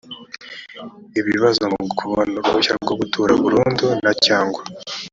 ibibazo mu kubona uruhushya rwo gutura burundu na cyangwa